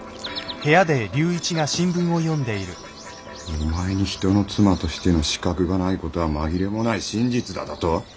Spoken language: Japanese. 「お前に人の妻としての資格がない事は紛れもない真実だ」だと？